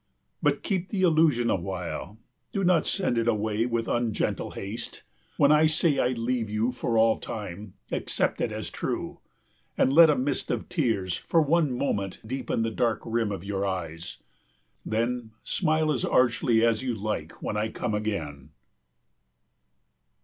But keep the illusion awhile; do not send it away with ungentle haste. When I say I leave you for all time, accept it as true, and let a mist of tears for one moment deepen the dark rim of your eyes. Then smile as archly as you like when I come again.